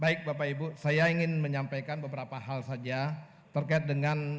baik bapak ibu saya ingin menyampaikan beberapa hal saja terkait dengan